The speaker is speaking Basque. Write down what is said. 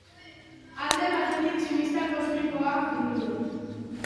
Alde batetik, tximista kosmikoak ditugu.